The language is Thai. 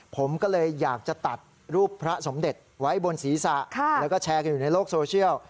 ผมก็เลยอยากจะตัดรูปพระสมเด็จไว้บนศีรษะแล้วก็แชร์กันอยู่ในโลกโซเชียล